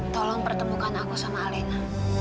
tolong pertemukan aku sama allena